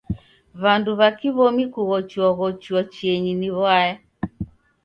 W'andu w'a kiw'omi kughochuaghochua chienyi ni w'aya.